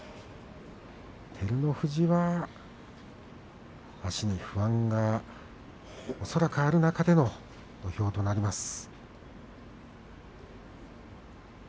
照ノ富士は足に不安が恐らくある中での土俵になります。